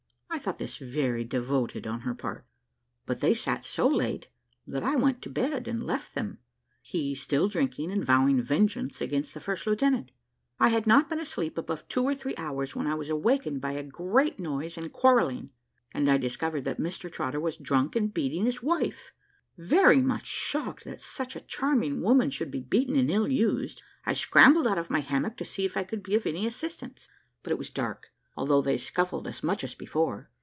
I thought this very devoted on her part; but they sat so late that I went to bed and left them he still drinking and vowing vengeance against the first lieutenant. I had not been asleep above two or three hours, when I was awakened by a great noise and quarrelling, and I discovered that Mr Trotter was drunk and beating his wife. Very much shocked that such a charming woman should be beaten and ill used, I scrambled out of my hammock to see if I could be of any assistance, but it was dark, although they scuffled as much as before.